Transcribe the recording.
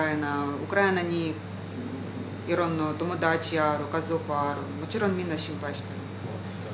ウクライナにいろんなお友達ある、ご家族は、もちろんみんな心配しています。